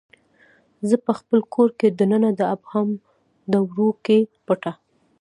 زه پخپل کور کې دننه د ابهام دوړو کې پټه